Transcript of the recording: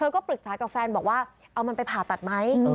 กับแฟนบอกว่าเอามันไปผ่าตัดไหม